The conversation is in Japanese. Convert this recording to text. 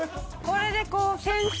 これでこう。